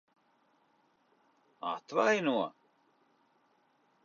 Atvaino?